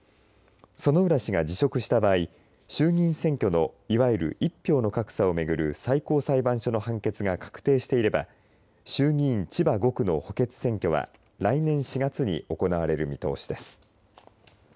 薗浦氏が辞職した場合衆議院選挙のいわゆる１票の格差を巡る最高裁判所の判決が確定していれば衆議院千葉５区の補欠選挙は来年４月に行われる見通しです。